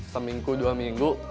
seminggu dua minggu